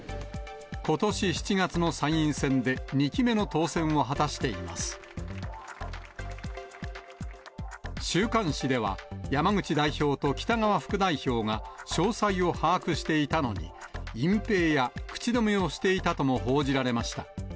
ことし７月の参院選で、２期目の当選を果たしています。週刊誌では、山口代表と北側副代表が詳細を把握していたのに、隠蔽や口止めをしていたとも報じられました。